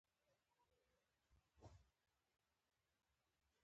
نفساني مینه نه ستایل کېږي.